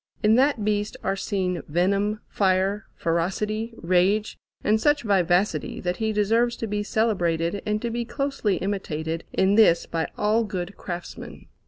In that beast are seen venom, fire, ferocity, rage, and such vivacity, that he deserves to be celebrated and to be closely imitated in this by all good craftsmen.